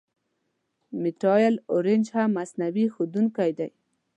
میتایل آرنج هم مصنوعي ښودونکی دی.